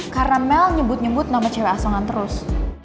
karena mel nyebut nyebut nama cewek asongan terus